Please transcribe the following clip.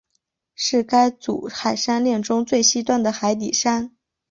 是该组海山炼中最西端的海底山。